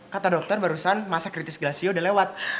kata dokter barusan masa kritis gasio udah lewat